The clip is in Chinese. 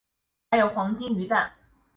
还有黄金鱼蛋